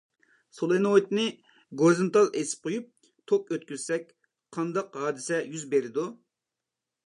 سولېنوئىدنى گورىزونتال ئېسىپ قويۇپ توك ئۆتكۈزسەك قانداق ھادىسە يۈز بېرىدۇ؟